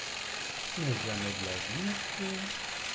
Mais jamais de la vie, monsieur !…